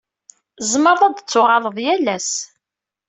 Tzemreḍ ad tuɣaleḍ yal ass.